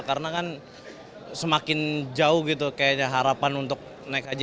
karena kan semakin jauh gitu kayaknya harapan untuk naik haji